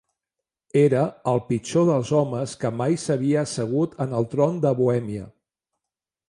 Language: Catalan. Era el pitjor dels homes que mai s'havia assegut en el tron de Bohèmia.